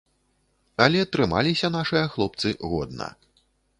Але трымаліся нашыя хлопцы годна.